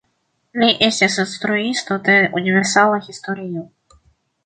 Li estis instruisto de universala historio.